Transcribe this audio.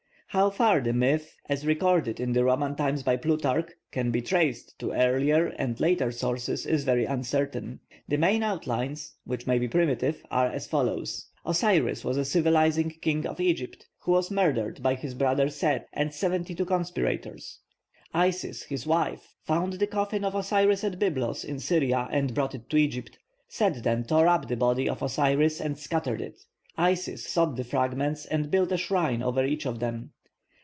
How far the myth, as recorded in Roman times by Plutarch, can be traced to earlier and later sources is very uncertain. The main outlines, which may be primitive, are as follow. Osiris was a civilising king of Egypt, who was murdered by his brother Set and seventy two conspirators. Isis, his wife, found the coffin of Osiris at Byblos in Syria and brought it to Egypt. Set then tore up the body of Osiris and scattered it. Isis sought the fragments, and built a shrine over each of them.